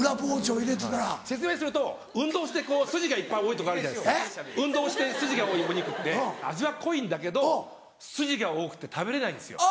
説明すると運動してスジがいっぱい多いとこあるじゃないですか運動してスジが多いお肉って味は濃いんだけどスジが多くて食べれないんですよ。